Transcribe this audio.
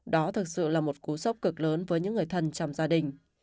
đó thực sự là một cú sốc cực lớn với những người thân trong gia đình